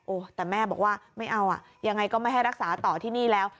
แต่แม่บอกว่าไม่เอาอ่ะยังไงก็ไม่ให้รักษาต่อที่นี่แล้ว